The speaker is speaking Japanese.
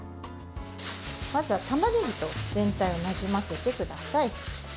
まずは、たまねぎと全体をなじませてください。